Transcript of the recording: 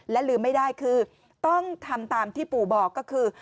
และลืมไม่ได้คือต้องทำตามที่ปู่บอกก็คือ